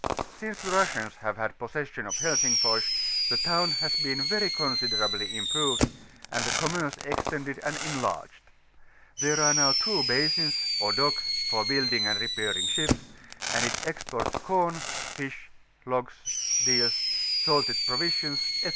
Since the Russians have had possession of Helsingfors, the town has been very considerably improved, and the commerce extended and enlarged : there are now two basins, or docks, for biiilding and repairing ships; and it exports com, fish, logs, deals, salted provisions, &c.